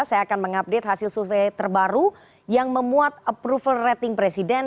saya akan mengupdate hasil survei terbaru yang memuat approval rating presiden